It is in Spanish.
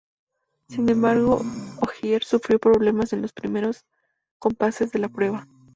Sin embargo Ogier sufrió problemas en los primeros compases de la prueba.